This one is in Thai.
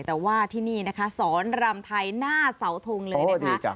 แต่ว่าที่นี่นะคะสอนรำไทยหน้าเสาทงเลยนะคะ